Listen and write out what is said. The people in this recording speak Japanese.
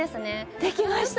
できました！